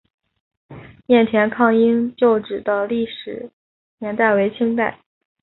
雁田抗英旧址的历史年代为清代。